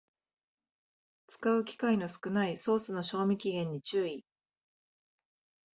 使う機会の少ないソースの賞味期限に注意